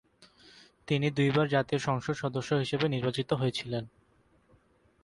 তিনি দুইবার জাতীয় সংসদ সদস্য হিসেবে নির্বাচিত হয়েছিলেন।